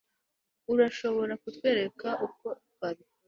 urashobora kutwereka uko twabikora